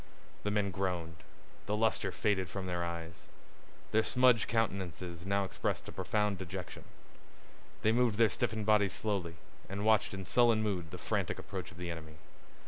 The men groaned. The luster faded from their eyes. Their smudged countenances now expressed a profound dejection. They moved their stiffened bodies slowly, and watched in sullen mood the frantic approach of the enemy.